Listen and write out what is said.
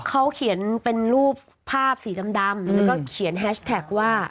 เขาเขียนเป็นรูปภาพสีดำแล้วก็เขียนแฮชแท็กว่า